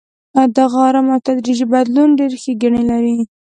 دغه ارام او تدریجي بدلون ډېرې ښېګڼې لري.